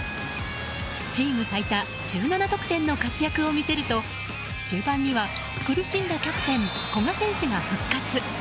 チーム最多１７得点の活躍を見せると終盤には、苦しんだキャプテン、古賀選手が復活。